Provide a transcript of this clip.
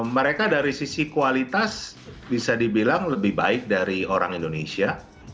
mereka dari sisi kualitas bisa dibilang lebih baik dari orang indonesia